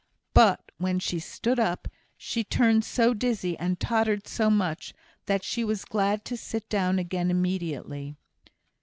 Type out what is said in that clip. But when she stood up, she turned so dizzy, and tottered so much, that she was glad to sit down again immediately.